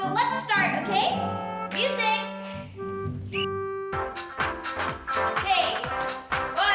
jadi mari kita mulai oke